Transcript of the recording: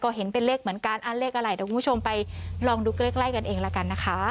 เห็นเป็นเลขเหมือนกันเลขอะไรเดี๋ยวคุณผู้ชมไปลองดูใกล้กันเองละกันนะคะ